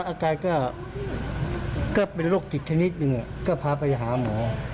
อาการก็เป็นโรคจิตชนิดหนึ่งก็พาไปหาหมอ